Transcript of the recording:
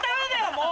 もう。